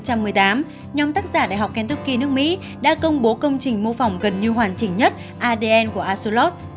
nhóm tác giả đại học kentucky nước mỹ đã công bố công trình mô phỏng gần như hoàn chỉnh nhất của axolotl